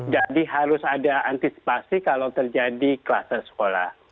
jadi harus ada antisipasi kalau terjadi klaster sekolah